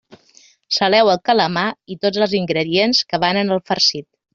Saleu el calamar i tots els ingredients que van en el farcit.